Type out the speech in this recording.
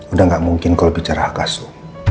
udah gak mungkin kalau bicara hakasso